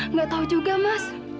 nggak tahu juga mas